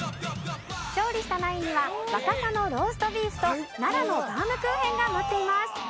勝利したナインには若狭のローストビーフと奈良のバームクーヘンが待っています。